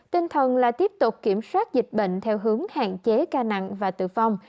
tinh thần là tiếp tục kiểm soát dịch bệnh theo hướng hạn chế ca nặng và tử vong